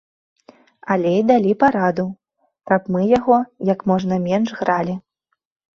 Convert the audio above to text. Але і далі параду, каб мы яго як можна менш гралі.